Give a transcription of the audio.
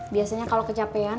biasanya kalau kecapean